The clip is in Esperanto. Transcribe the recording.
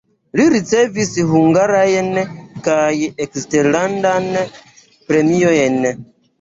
Li ricevis hungarajn kaj eksterlandan premiojn.